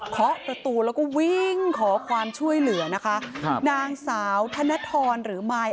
ขอประตูแล้วก็วิ่งขอความช่วยเหลือนะคะครับนางสาวธนทรหรือมาย